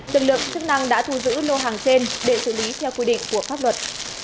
lực lượng chức năng đã thu giữ lô hàng trên để xử lý theo quy định của pháp luật